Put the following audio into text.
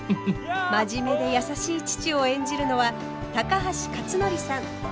真面目で優しい父を演じるのは高橋克典さん。